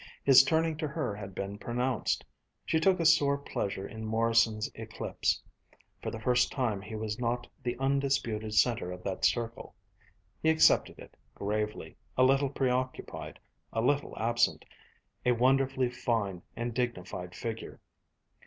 His turning to her had been pronounced. She took a sore pleasure in Morrison's eclipse. For the first time he was not the undisputed center of that circle. He accepted it gravely, a little preoccupied, a little absent, a wonderfully fine and dignified figure.